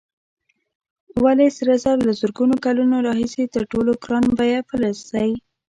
ولې سره زر له زرګونو کلونو راهیسې تر ټولو ګران بیه فلز دی؟